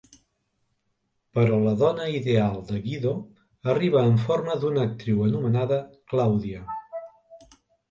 Però la Dona Ideal de Guido arriba en forma d'una actriu anomenada Claudia.